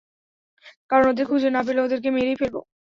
কারণ ওদের খুঁজে না পেলে, ওদেরকে মেরেই ফেলব।